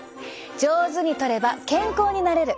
上手にとれば健康になれる。